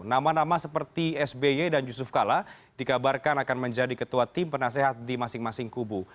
nama nama seperti sby dan yusuf kala dikabarkan akan menjadi ketua tim penasehat di masing masing kubu